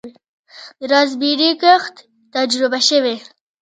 د راسبیري کښت تجربه شوی؟